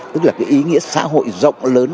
tức là cái ý nghĩa xã hội rộng lớn